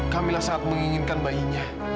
kamila saat menginginkan bayinya